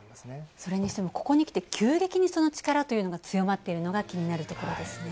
それにしても、ここにきて、急激にその力が強まっているのが気になるところですね。